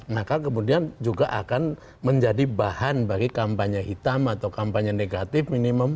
maka kemudian juga akan menjadi bahan bagi kampanye hitam atau kampanye negatif minimum